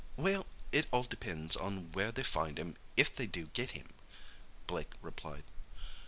"Well, it all depends on where they find him if they do get him," Blake replied.